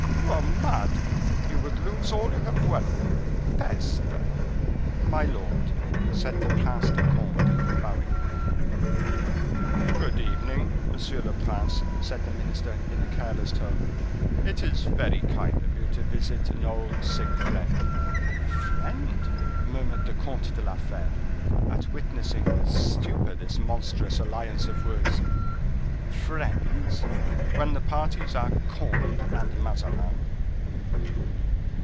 you are mad. You would lose all you have won. Peste!" "My lord!" said the Prince de Conde, bowing. "Good evening, monsieur le prince," said the minister, in a careless tone; "it is very kind of you to visit an old sick friend." "A friend!" murmured the Comte de la Fere, at witnessing with stupor this monstrous alliance of words;—"friends! when the parties are Conde and Mazarin!"